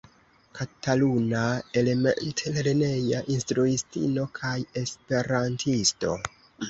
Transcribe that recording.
Kataluna element-lerneja instruistino kaj esperantisto.